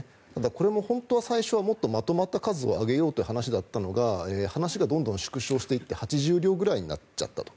これも本当は最初はもっとまとまった数をあげようという話だったのが話がどんどん縮小していって８０両ぐらいになっちゃったと。